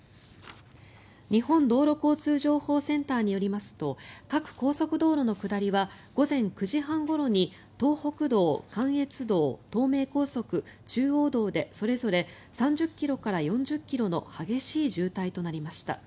日本道路交通情報センターによりますと各高速道路の下りは午前９時半ごろに東北道、関越道、東名高速中央道でそれぞれ３０ｋｍから４０ｋｍの激しい渋滞となりました。